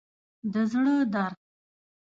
د زړه درد